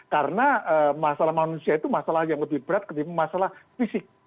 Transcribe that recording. karena masalah manusia itu masalah yang lebih berat ketimbang masalah fisik